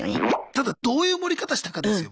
ただどういう盛り方したかですよ問題は。